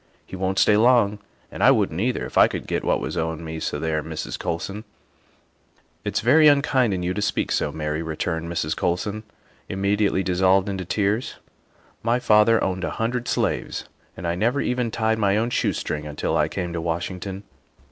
He won't stay long, and I wouldn't neither if I could get what was owin' me so there, Mrs. Colson." " It's very unkind in you to speak so, Mary," re turned Mrs. Colson, immediately dissolved in tears. " My father owned a hundred slaves, and I never even tied my own shoestring until I came to Washington."